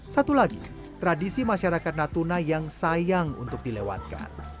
satu lagi tradisi masyarakat natuna yang sayang untuk dilewatkan